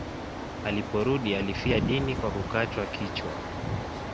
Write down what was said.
Aliporudi alifia dini kwa kukatwa kichwa.